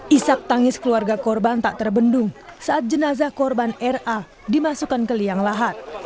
isak tangis keluarga korban tak terbendung saat jenazah korban ra dimasukkan ke liang lahat